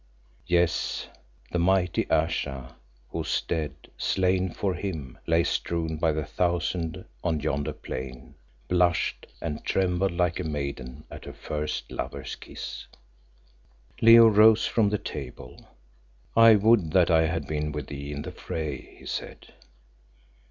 Yes, the mighty Ayesha whose dead, slain for him, lay strewn by the thousand on yonder plain, blushed and trembled like a maiden at her first lover's kiss. Leo rose from the table. "I would that I had been with thee in the fray," he said.